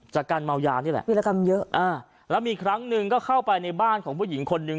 จากการเมายานี่แหละวิรกรรมเยอะอ่าแล้วมีครั้งหนึ่งก็เข้าไปในบ้านของผู้หญิงคนนึง